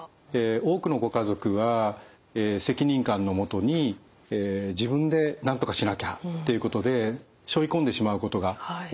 多くのご家族は責任感のもとに自分でなんとかしなきゃっていうことでしょい込んでしまうことが多いんですね。